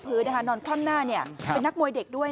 เร็วเร็วเร็ว